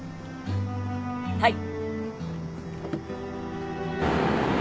はい。